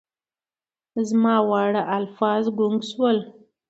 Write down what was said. زما واړه الفاظ ګونګ شول